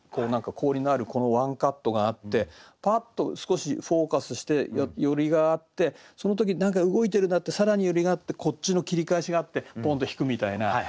氷のあるこのワンカットがあってパッと少しフォーカスして寄りがあってその時何か動いてるなって更に寄りがあってこっちの切り返しがあってポンと引くみたいな。